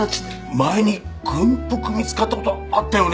前に軍服見つかった事あったよね？